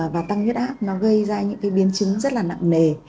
và tăng huyết áp nó gây ra những cái biến chứng rất là nặng nề